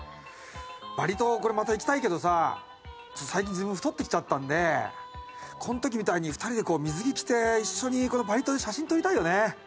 バリ島これまた行きたいけどさちょっと最近自分太ってきちゃったんでこの時みたいに２人で水着着て一緒にバリ島で写真撮りたいよね。